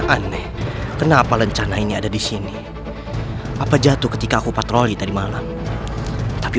aneh kenapa lencana ini ada di sini apa jatuh ketika aku patroli tadi malam tapi